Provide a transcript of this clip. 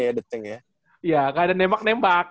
ya the tank ya iya gak ada nembak nembak